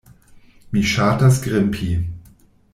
Mi ŝatas grimpi.